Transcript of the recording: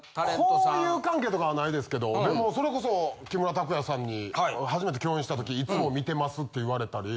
交友関係とかはないですけどそれこそ木村拓哉さんに初めて共演した時「いつも観てます」って言われたり。